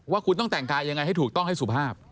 ว่าคุณต้องแต่งกายยังไงให้ถูกต้องให้สุภาพ